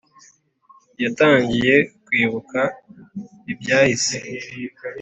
yatangiye kwibuka ibyahise